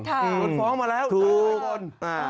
ลดฟอร์มมาแล้วถูกค่ะ